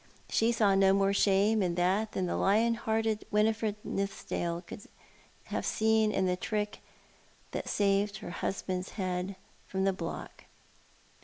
She saw no more shame in that than lion hearted Winifred Nithsdale could have seen in the trick that saved her husband's head from the block.